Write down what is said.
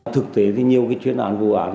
thực tế thì nhiều cái chuyến án vụ án